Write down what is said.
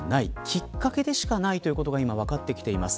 きっかけでしかないということが今、分かってきています。